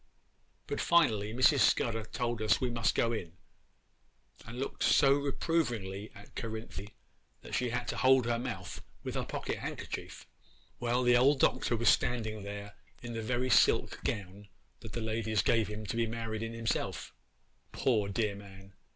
'But, finally, Mrs. Scudder told us we must go in, and looked so reprovingly at Cerinthy that she had to hold her mouth with her pocket handkerchief. 'Well, the old Doctor was standing there in the very silk gown that the ladies gave him to be married in himself, poor, dear man!